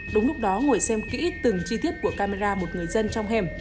đúng lúc đó ngồi xem kỹ từng chi tiết của camera một người dân trong hềm